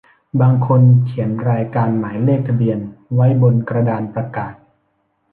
บางคนเขียนรายการหมายเลขทะเบียนไว้บนกระดานประกาศ